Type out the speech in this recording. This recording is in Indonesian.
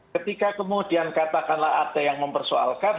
ketika kemudian katakanlah ada yang mempersoalkan